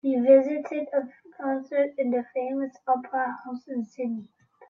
We visited a concert in the famous opera house in Sydney.